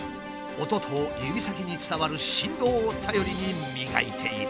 音と指先に伝わる振動を頼りに磨いていく。